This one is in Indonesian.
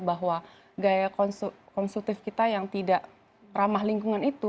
bahwa gaya konstruktif kita yang tidak ramah lingkungan itu